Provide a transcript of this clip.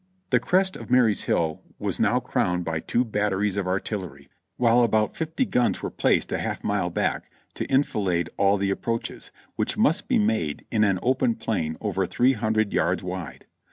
The crest of Marye's Hill was now crowned by two batteries of artillery, while about fifty guns were placed a half mile back to enfilade all the approaches, which must be made in an open plain over three hundred yards wide.